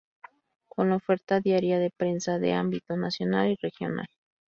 Con oferta diaria de prensa de ámbito nacional y regional.